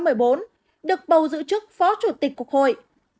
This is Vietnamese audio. được bầu giữ chức phó chủ tịch quốc hội